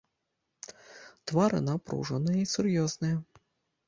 Твары напружаныя і сур'ёзныя.